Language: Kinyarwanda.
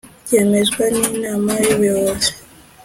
byemezwa n Inama y Ubuyobozi